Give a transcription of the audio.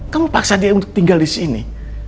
kamu paksa dia untuk tinggal disini